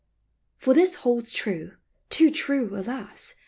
For this holds true — too true, alas